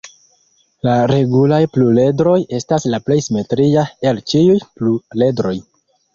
La regulaj pluredroj estas la plej simetria el ĉiuj pluredroj.